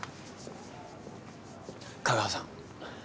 香川さん。